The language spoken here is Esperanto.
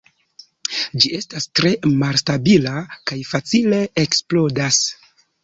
Ĝi estas tre malstabila kaj facile eksplodas.